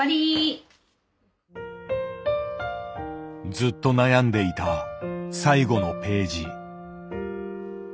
ずっと悩んでいた最後のページ。